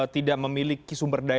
tidak memiliki sumber daya